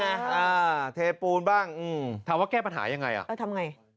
อ่าเทปูนบ้างอืมถามว่าแก้ปัญหายังไงอ่ะเออทำไง